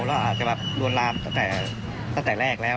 แล้วอาจจะแบบลวนลามตั้งแต่แรกแล้ว